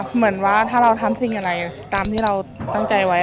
เหมือนว่าถ้าเราทำสิ่งอะไรตามที่เราตั้งใจไว้